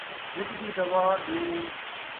ہک دی دوا ، ݙو